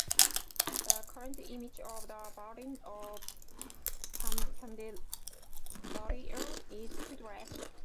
The current image of the Virgin of Candelaria is to dress.